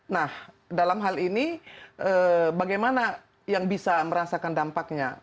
nah dalam hal ini bagaimana yang bisa merasakan dampaknya